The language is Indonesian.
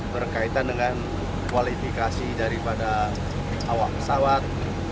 berkaitan dengan kualifikasi daripada awak pesawat